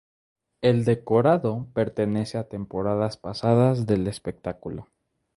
El decorado pertenece a temporadas pasadas del espectáculo.